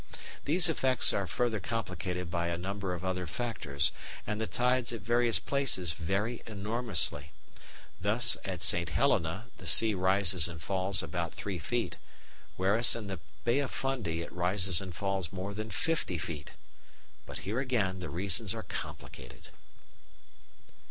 These effects are further complicated by a number of other factors, and the tides, at various places, vary enormously. Thus at St. Helena the sea rises and falls about three feet, whereas in the Bay of Fundy it rises and falls more than fifty feet. But here, again, the reasons are complicated.